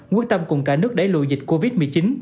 quyết tâm cùng cả nước đẩy lùi dịch covid một mươi chín